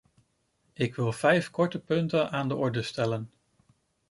Ik wil vijf korte punten aan de orde stellen.